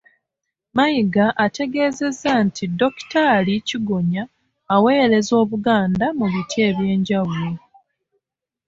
Mayiga ategeezezza nti Dokitaali Kigonya aweerezza Obuganda mu biti eby'enjawulo.